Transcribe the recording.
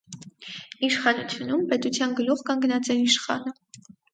Իլխանությունում պետության գլուխ կանգնած էր իլխանը։